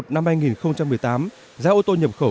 năm hai nghìn một mươi tám giá ô tô nhập khẩu